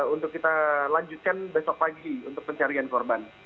untuk kita lanjutkan besok pagi untuk pencarian korban